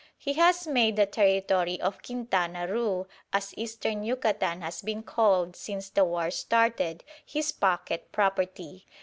He has made the Territory of Quintana Roo, as Eastern Yucatan has been called since the war started, his pocket property.